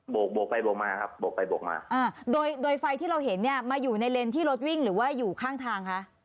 โกกไปโบกมาครับโบกไปโบกมาอ่าโดยโดยไฟที่เราเห็นเนี่ยมาอยู่ในเลนที่รถวิ่งหรือว่าอยู่ข้างทางคะ